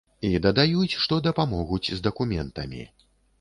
І дадаюць, што дапамогуць з дакументамі.